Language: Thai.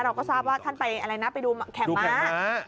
เราก็ทราบว่าท่านไปอะไรนะไปดูแข่งม้า